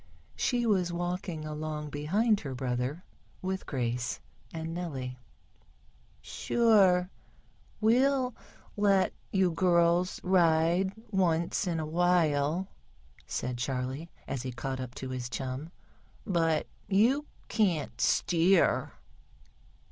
She was walking along behind her brother, with Grace and Nellie. "Sure, we'll let you girls ride once in a while," said Charley, as he caught up to his chum. "But you can't steer."